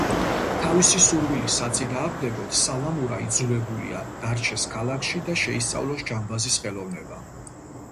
თავისი სურვილის საწინააღმდეგოდ სალამურა იძულებულია, დარჩეს ქალაქში და შეისწავლოს ჯამბაზის ხელოვნება.